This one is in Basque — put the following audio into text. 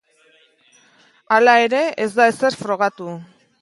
Hala ere, ez da ezer frogatu.